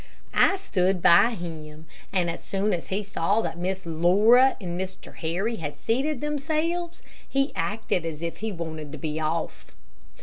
I stood by him, and as soon as he saw that Miss Laura and Mr. Harry had seated themselves, he acted as if he wanted to be off.